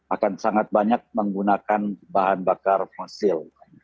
akan sangat banyak menggunakan bahan bakar fosil